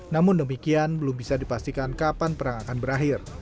namun demikian belum bisa dipastikan kapan perang akan berakhir